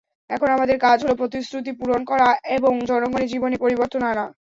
এখন আমাদের কাজ হলো প্রতিশ্রুতি পূরণ করা এবং জনগণের জীবনে পরিবর্তন আনা।